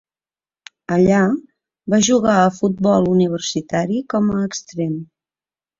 Allà, va jugar a futbol universitari com a extrem.